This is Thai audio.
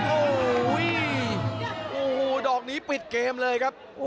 โอ้โหดอกนี้ปิดเกมเลยครับ